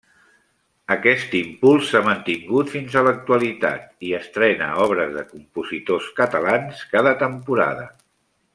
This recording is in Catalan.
Aquest impuls s'ha mantingut fins a l'actualitat i estrena obres de compositors catalans cada temporada.